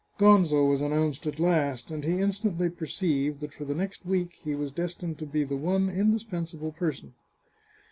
Gonzo was announced at last, and he instantly perceived that for the next week he was destined to be the one indispensable per son.